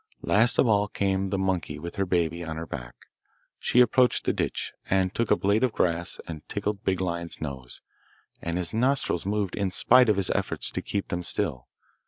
Last of all came the monkey with her baby on her back. She approached the ditch, and took a blade of grass and tickled Big Lion's nose, and his nostrils moved in spite of his efforts to keep them still.